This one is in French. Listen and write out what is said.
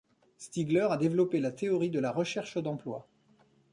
Stigler a développé la théorie de la recherche d'emploi.